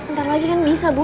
ntar lagi kan bisa bu